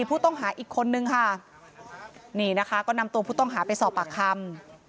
ผู้ต้องหาอีกคนนึงค่ะนี่นะคะก็นำตัวผู้ต้องหาไปสอบปากคำ